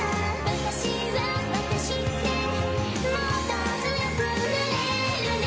「私は私ってもっと強くなれるね」